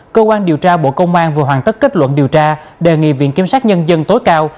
cơ quan điều tra bộ công an vừa hoàn tất kết luận điều tra đề nghị viện kiểm sát nhân dân tối cao